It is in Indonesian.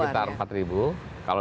kalau ditambah dengan tenaga